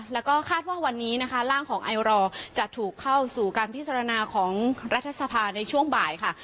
แล้วก็คาดว่าวันนี้นะคะร่างของไอรอจะถูกเข้าสู่การพิจารณาของรัฐสภาในช่วงบ่ายค่ะ